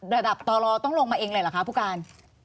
ระดับต่อรอต้องลงมาเองเลยเหรอคะผู้การ